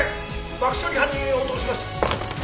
爆処理班に応答します。